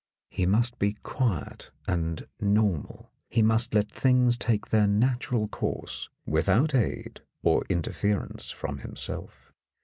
He must be quiet and normal ; he must let things take their natural course, without aid or interference from himself.